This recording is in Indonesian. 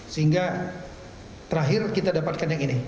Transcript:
sehingga terakhir kita dapatkan yang ini